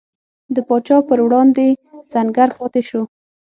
د پاچا پر وړاندې سنګر پاتې شو.